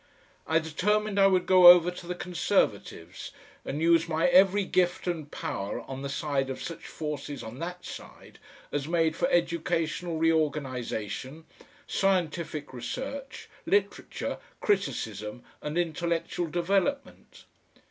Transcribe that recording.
I determined I would go over to the Conservatives, and use my every gift and power on the side of such forces on that side as made for educational reorganisation, scientific research, literature, criticism, and intellectual development.